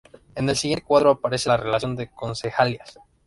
En el siguiente cuadro aparece la relación de concejalías.